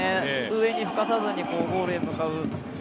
上にふかさずにゴールへ向かう。